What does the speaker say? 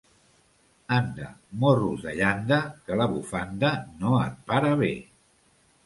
Anda, morros de llanda, que la bufanda no et para bé.